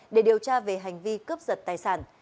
để điều tra về hành vi cướp giật tài sản